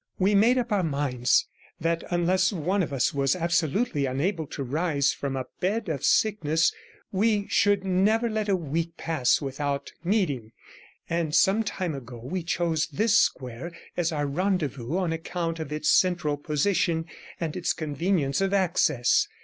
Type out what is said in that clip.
We made up our minds that unless one of us was absolutely unable to rise from a bed of sickness, we should never let a week pass by without meeting, and some time ago we chose this square as our rendezvous on account of its central position and its convenience of access.